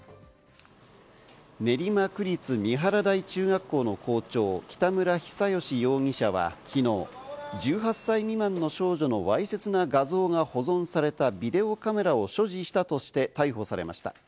練馬区立三原台中学校の校長・北村比左嘉容疑者はきのう１８歳未満の少女のわいせつな画像が保存されたビデオカメラを所持したとして逮捕されました。